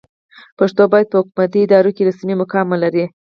پښتو باید په حکومتي ادارو کې رسمي مقام ولري.